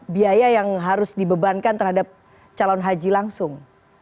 biaya yang harus dibebankan terhadap calon haji langsung